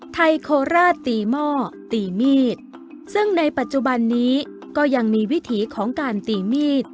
โคราชตีหม้อตีมีดซึ่งในปัจจุบันนี้ก็ยังมีวิถีของการตีมีด